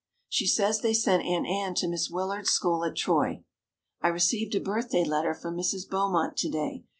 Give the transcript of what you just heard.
She says they sent Aunt Ann to Miss Willard's school at Troy. I received a birthday letter from Mrs. Beaumont to day.